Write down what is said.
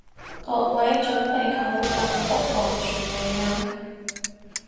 各位準備好共赴黃泉未啊？